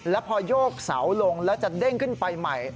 แล้วพอโยกเสาลงแล้วจะเด้งขึ้นไปใหม่